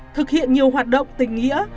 thực hiện nhiều hoạt động tình nghĩa